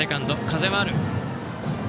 風はある。